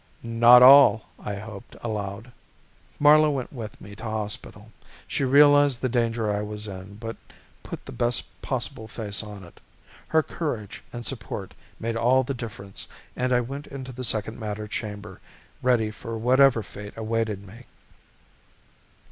"Not all," I hoped aloud. Marla went with me to hospital. She realized the danger I was in but put the best possible face on it. Her courage and support made all the difference and I went into the second matter chamber, ready for whatever fate awaited me.